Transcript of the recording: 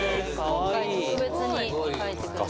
今回特別に描いてくれた。